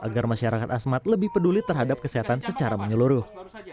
agar masyarakat asmat lebih peduli terhadap kesehatan secara menyeluruh